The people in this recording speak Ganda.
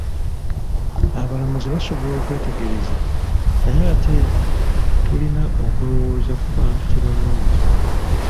Abalamuzi basobola okwetegerera naye ate tulina okulowooza ku bantu kye balowooza.